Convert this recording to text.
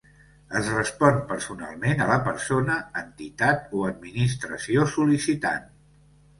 Es respon personalment a la persona, entitat o administració sol·licitant.